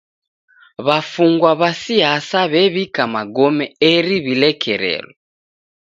W'afungwa w'a siasa w'ew'ika magome eri w'ilekerelo.